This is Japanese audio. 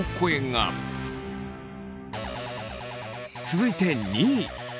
続いて２位。